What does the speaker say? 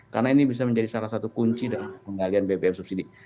karena ini bisa menjadi salah satu kunci dalam pengalian bpm subsidi